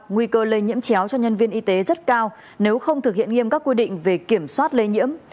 nguy cơ lây nhiễm chéo cho nhân viên y tế rất cao nếu không thực hiện nghiêm các quy định về kiểm soát lây nhiễm